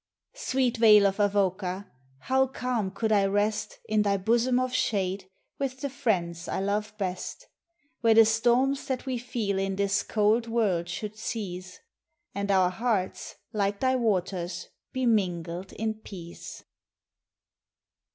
Sweet Vale of Avoca! how calm could I rest In thy bosom of shade, with the friends I love best; Where the storms that we feel in this cold world should cease, And our hearts, like thy waters, be mingled in peace.